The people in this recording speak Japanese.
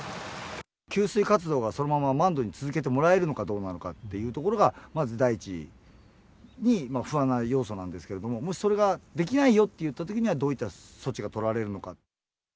給水活動がそのまま満足に続けてもらえるのかどうかなのかっていうところが、まず第一に、不安な要素なんですけれども、もしそれができないよっていったときに、どういった措置が取られるのか。